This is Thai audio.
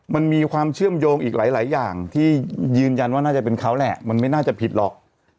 มันมีความเชื่อมโยงอีกหลายอย่างที่ยืนยันว่าน่าจะเป็นเขาแหละมันไม่น่าจะผิดหรอก